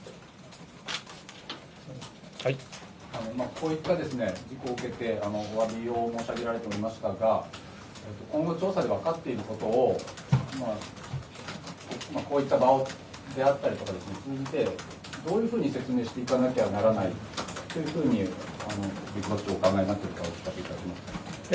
こういった事故を受けて、おわびを申し上げられておりましたが、今後、調査で分かっていることを、今、こういった場であったりとかを通じて、どういうふうに説明していかなきゃならないというふうに幕僚長はお考えになっているか、お聞かせ願いますでしょうか。